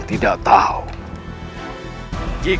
riraku akan hijri